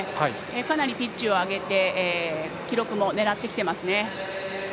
かなりピッチを上げて記録も狙ってきています。